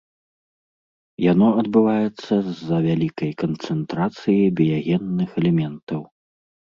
Яно адбываецца з-за вялікай канцэнтрацыі біягенных элементаў.